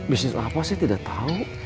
bisnis apa saya tidak tahu